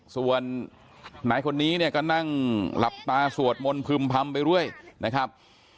ส่วนนายคนนี้เนี่ยก็นั่งหลับตาสวดมนต์พึ่มพำไปเรื่อยนะครับ